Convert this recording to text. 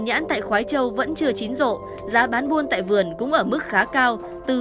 nhãn lồng hương yên ở mức khá cao